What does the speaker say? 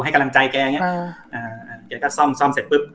ให้กำลังใจแกอย่างเงี้ยอ่าเดี๋ยวก็ซ่อมซ่อมเสร็จปุ๊บ